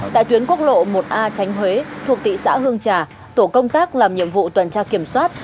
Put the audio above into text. tại tuyến quốc lộ một a tránh huế thuộc thị xã hương trà tổ công tác làm nhiệm vụ tuần tra kiểm soát